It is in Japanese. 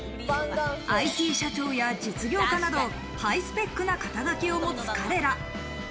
ＩＴ社長や実業家などハイスペックな肩書きをもつ彼ら。